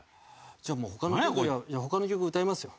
じゃあもう他の曲他の曲歌いますよ。